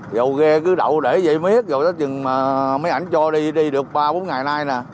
rồi ghê cứ đậu để vậy mới hết rồi tới chừng mà mấy ảnh cho đi đi được ba bốn ngày nay nè